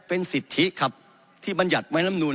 เป็นสิทธิครับที่มันหยัดไว้ลำนูล